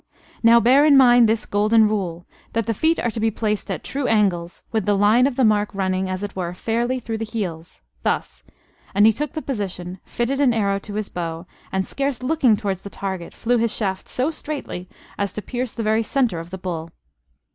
Now, bear in mind this golden rule: that the feet are to be placed at true angles, with the line of the mark running, as it were, fairly through the heels: thus," and he took the position, fitted an arrow to his bow, and, scarce looking towards the target, flew his shaft so straightly as to pierce the very center of the bull.